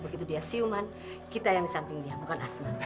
kondisi tuan kevin belum pulih benar